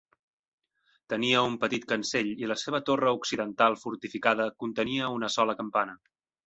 Tenia un petit cancell i la seva torre occidental fortificada contenia una sola campana.